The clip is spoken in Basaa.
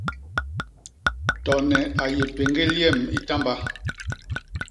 Tone a yé péñgél yem i tamba.